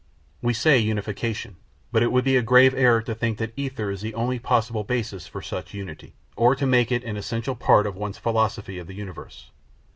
We say "unification," but it would be a grave error to think that ether is the only possible basis for such unity, or to make it an essential part of one's philosophy of the universe.